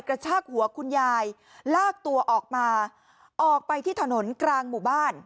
กระชากหัวคุณยายลากตัวออกมาออกไปที่ถนนกลางหมู่บ้าน